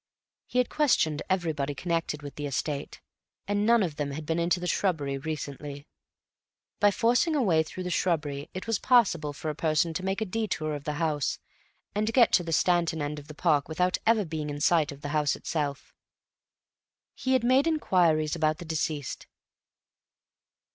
He had questioned everybody connected with the estate, and none of them had been into the shrubbery recently. By forcing a way through the shrubbery it was possible for a person to make a detour of the house and get to the Stanton end of the park without ever being in sight of the house itself. He had made inquiries about the deceased.